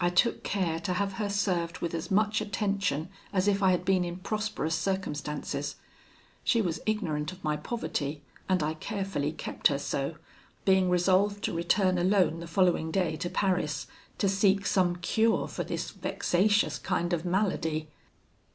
I took care to have her served with as much attention as if I had been in prosperous circumstances. She was ignorant of my poverty, and I carefully kept her so, being resolved to return alone the following day to Paris, to seek some cure for this vexatious kind of malady.